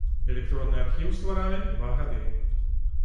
Электронны архіў стваралі два гады.